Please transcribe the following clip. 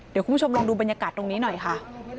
เดี๋ยวคุณผู้ชมลองดูบรรยากาศตรงนี้หน่อยค่ะ